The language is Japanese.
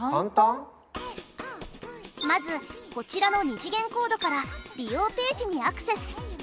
まずこちらの２次元コードから利用ページにアクセス。